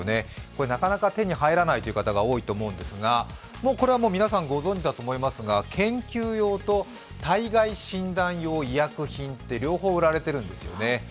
これ、なかなか手に入らない方が多いと思うんですが、皆さんご存じだと思いますが研究用と体外診断用医薬品と両方売られているんですよね。